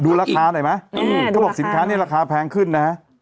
ราคาหน่อยไหมเขาบอกสินค้านี้ราคาแพงขึ้นนะฮะ